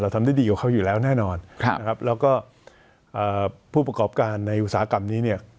ทำได้ดีกว่าเขาอยู่แล้วแน่นอนครับนะครับแล้วก็ผู้ประกอบการในอุตสาหกรรมนี้เนี่ย